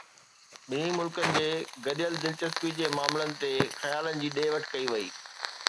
ٻنهي ملڪن جي گڏيل دلچسپي جي معاملن تي خيالن جي ڏي وٺ ڪئي وئي